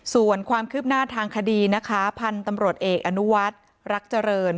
ส่วนความคืบหน้าทางคดีนะคะพันธุ์ตำรวจเอกอนุวัฒน์รักเจริญ